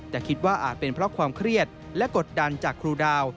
แต่คิดว่าอาจเป็นเพราะความเครียดและกดดันจากครูดาว